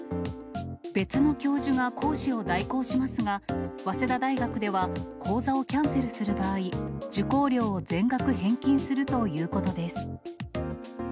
別の教授が講師を代行しますが、早稲田大学では講座をキャンセルする場合、受講料を全額返金するということです。